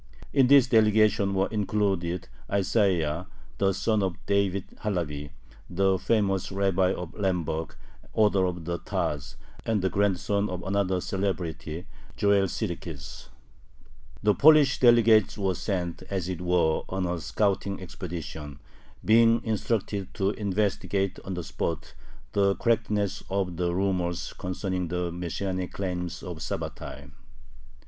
In this delegation were included Isaiah, the son of David Halevi, the famous rabbi of Lemberg, author of the Taz, and the grandson of another celebrity, Joel Sirkis. The Polish delegates were sent, as it were, on a scouting expedition, being instructed to investigate on the spot the correctness of the rumors concerning the Messianic claims of Sabbatai.